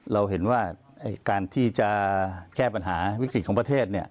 เราเห็นว่าการที่จะแก้ปัญหาวิกฤตของประเทศ